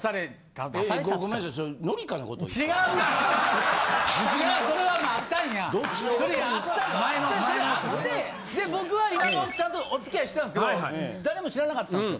あってそれあって僕は今の奥さんとお付き合いしてたんですけど誰も知らなかったんですよ。